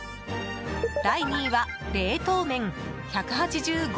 第２位は冷凍麺、１８５人。